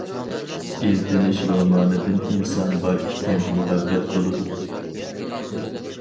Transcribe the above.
‹ئىزدىنىش› رومانىدىن ئىنسان بار ئىكەن مۇھەببەت بولىدۇ.